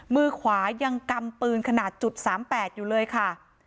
มือขวายังกำปืนขนาด๓๘อยู่เลยค่ะ